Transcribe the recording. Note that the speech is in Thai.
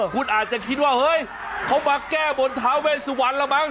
คุณอาจจะคิดว่าเฮ้ยเขามาแก้บนท้าเวสวรรณแล้วมั้